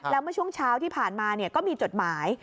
แล้วเมื่อช่วงเช้าที่ผ่านมาก็มีจดหมาย